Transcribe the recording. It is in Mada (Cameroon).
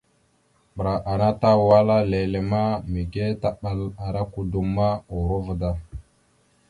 Ɓəra ana tawala lele ma, mige taɓal ara kudom ma, urova da.